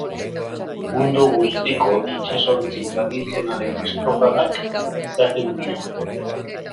Mundu guztiko itsasontzi tradizionalen estropadak izaten dira.